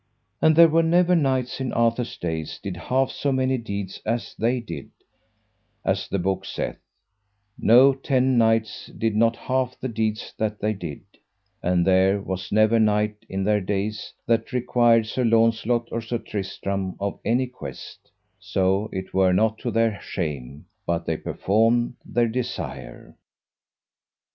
And there were never knights in Arthur's days did half so many deeds as they did; as the book saith, no ten knights did not half the deeds that they did, and there was never knight in their days that required Sir Launcelot or Sir Tristram of any quest, so it were not to their shame, but they performed their desire.